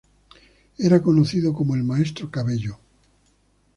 Era conocido como "el maestro Cabello".